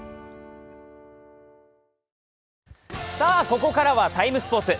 ここからは「ＴＩＭＥ，スポーツ」。